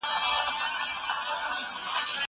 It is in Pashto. زه اجازه لرم چي وخت تېرووم!